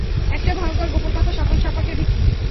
একটা ভয়ংকর গোপন কথা সফল সম্পর্কের ভিত্তি।